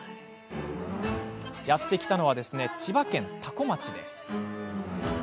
やって来たのは千葉県多古町です。